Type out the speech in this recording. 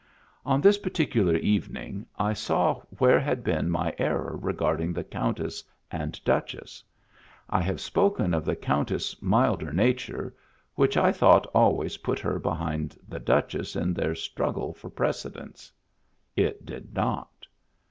On this particular evening I saw where had been my error regarding the Countess and Duchess. I have spoken of the Countess' milder nature, which I thought always put her behind the Duchess in their struggle for precedence. It did not.